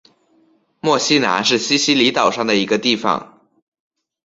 墨西拿是西西里岛上的一个地方。